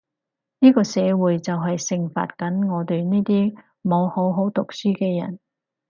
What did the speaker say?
呢個社會就係懲罰緊我哋呢啲冇好好讀書嘅人